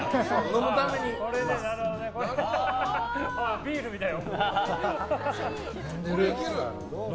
ビールみたいに。